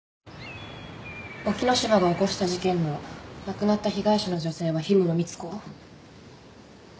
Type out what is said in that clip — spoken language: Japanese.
沖野島が起こした事件の亡くなった被害者の女性は氷室ミツコ。